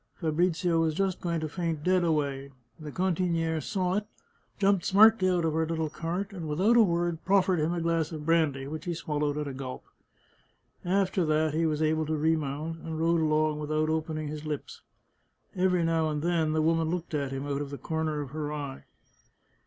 Fa brizio was just going to faint dead away. The cantinihe saw it, jumped smartly out of her little cart, and without a word proffered him a glass of brandy, which he swallowed 39 The Chartreuse of Parma at a g^lp. After that he was able to remount, and rode along without opening his lips. Every now and then the woman looked at him out of the corner of her eye.